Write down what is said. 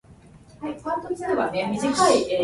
栃木県芳賀町